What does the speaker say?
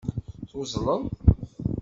Tuzzleḍ.